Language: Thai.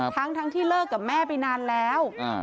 ทั้งที่เลิกกับแม่ไปนานแล้ว